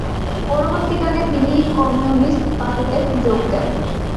পরবর্তীকালে তিনি কমিউনিস্ট পার্টিতে যোগ দেন।